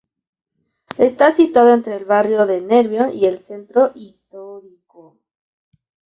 Está situado entre el barrio de Nervión y el centro histórico.